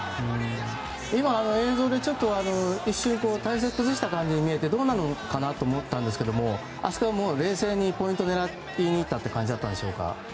今、映像で一瞬体勢を崩した感じに見えてどうなるかなと思ったんですけどあそこは冷静にポイントを狙いにいったという感じですか？